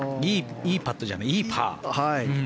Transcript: いいパットじゃないいいパー。